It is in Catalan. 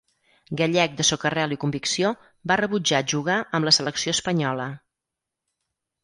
Gallec de soca-rel i convicció, va rebutjar jugar amb la selecció espanyola.